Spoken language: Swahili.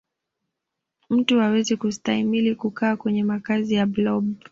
mtu hawezi kustahimili kukaa kwenye makazi ya blob